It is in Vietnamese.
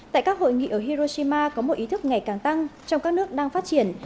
tại các hội nghị ở hiroshima có một ý thức ngày càng tăng trong các nước đang phát triển